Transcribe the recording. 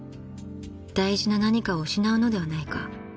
［大事な何かを失うのではないか］